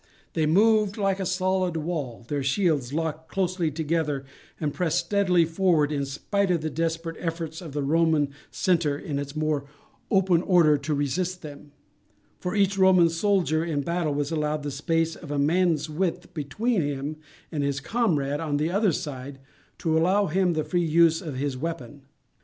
They moved like a solid wall, their shields locked closely together, and pressed steadily forward in spite of the desperate efforts of the Roman centre in its more open order to resist them; for each Roman soldier in battle was allowed the space of a man's width between him and his comrade on either side, to allow him the free use of his weapon.